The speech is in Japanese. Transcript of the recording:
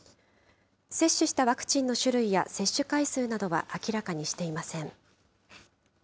接種したワクチンの種類や接種回数などは明らかにしていません。